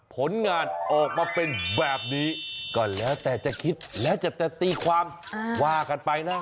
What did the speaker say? ผลงานออกมาเป็นแบบนี้ก็แล้วแต่จะคิดแล้วจะตีความว่ากันไปนะ